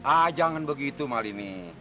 ah jangan begitu malini